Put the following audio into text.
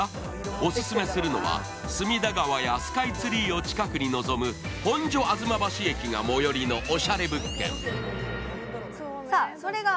オススメするのは隅田川やスカイツリーを近くに望む本所吾妻橋駅が最寄りのおしゃれ物件。